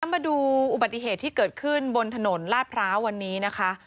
มาดูอุบัติเหตุที่เกิดขึ้นบนถนนลาดพร้าววันนี้นะคะ